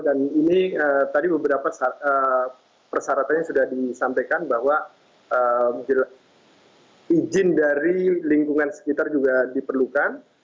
dan ini tadi beberapa persyaratannya sudah disampaikan bahwa izin dari lingkungan sekitar juga diperlukan